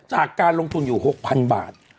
จากการลงทุนอยู่๖๐๐๐บาท